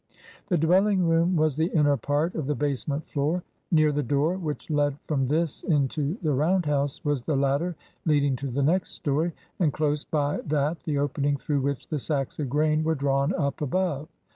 The dwelling room was the inner part of the basement floor. Near the door which led from this into the round house was the ladder leading to the next story, and close by that the opening through which the sacks of grain were drawn up above.